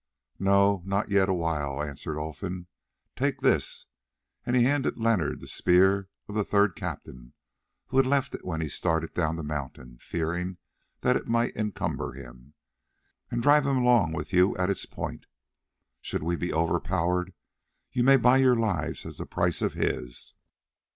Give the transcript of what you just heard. "No, not yet awhile," answered Olfan. "Take this," and he handed Leonard the spear of the third captain, who had left it when he started down the mountain, fearing that it might encumber him, "and drive him along with you at its point. Should we be overpowered, you may buy your lives as the price of his.